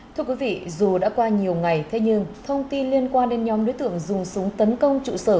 thưa quý vị dù đã qua nhiều ngày thế nhưng thông tin liên quan đến nhóm đối tượng dùng súng tấn công trụ sở